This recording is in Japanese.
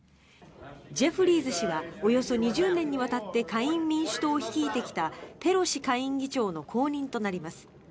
ジェフリーズ氏はおよそ２０年にわたって下院民主党を率いてきたペロシ下院議長の後任となります。